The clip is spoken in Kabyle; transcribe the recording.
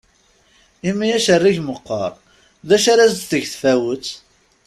Imi acerrig meqqaṛ, d acu ar as-d-teg tfawett?